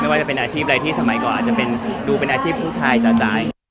ว่าจะเป็นอาชีพอะไรที่สมัยก่อนอาจจะดูเป็นอาชีพผู้ชายจาย